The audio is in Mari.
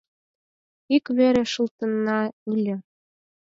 «Ик вере шылтенна ыле.